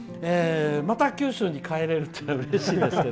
また九州に帰れるのはうれしいですね。